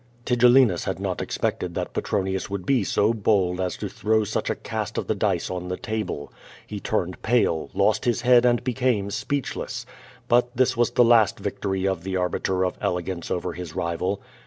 Tigellinus had not expected that Petronius would be so bold as to throw such a cast of the dice on the table. He turned pale, lost his head and became speechless. But this was the last victory of the Arbiter of Elegance over his rival.